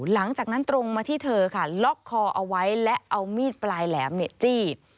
หลังจากนั้นตรงมาที่เธอค่ะล็อกคอเอาไว้และเอามีดปลายแหลมจี้